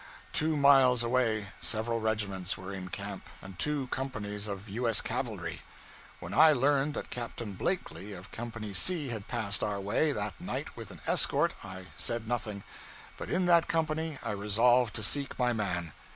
Two miles away, several regiments were in camp, and two companies of U.S. cavalry. When I learned that Captain Blakely, of Company C had passed our way, that night, with an escort, I said nothing, but in that company I resolved to seek my man.